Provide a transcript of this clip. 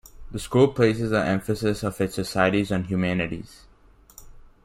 The school places an emphasis of its societies on humanities.